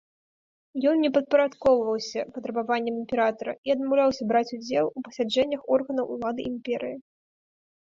Ён не падпарадкоўваўся патрабаванням імператара і адмаўляўся браць удзел у пасяджэннях органаў улады імперыі.